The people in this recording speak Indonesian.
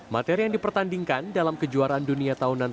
materi yang dipertandingkan dalam kejuaraan dunia tahunan